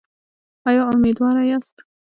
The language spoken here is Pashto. ایا امیدواره یاست؟